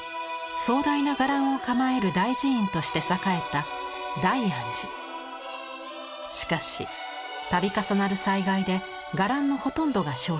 壮大な伽藍を構える大寺院として栄えたしかし度重なる災害で伽藍のほとんどが焼失縮小してしまいます。